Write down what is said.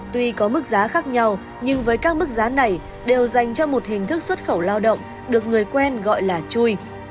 tuy có mức giá khác nhau nhưng với các mức giá này đều dành cho một hình thức xuất khẩu lao động được người quen gọi là chui